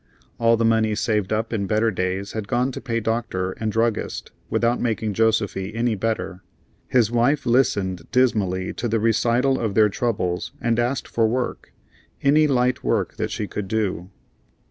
All the money saved up in better days had gone to pay doctor and druggist, without making Josefy any better. His wife listened dismally to the recital of their troubles and asked for work any light work that she could do.